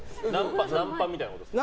ナンパみたいなことですか？